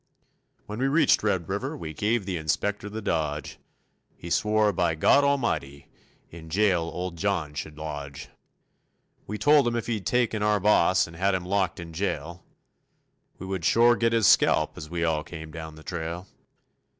When we reached Red River we gave the Inspector the dodge. He swore by God Almighty, in jail old John should lodge. We told him if he'd taken our boss and had him locked in jail, We would shore get his scalp as we all came down the trail.